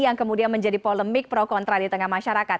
yang kemudian menjadi polemik pro kontra di tengah masyarakat